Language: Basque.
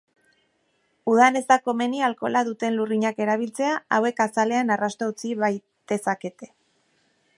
Udan ez da komeni alkohola duten lurrinak erabiltzea hauek azalean arrastoa utzi baitezakete.